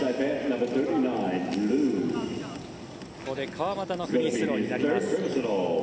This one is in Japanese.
川真田のフリースローになります。